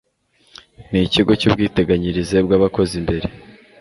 n ikigo cy ubwiteganyirize bw abakozi mbere